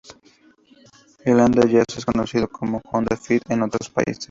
El Honda Jazz es conocido como Honda Fit en otros países.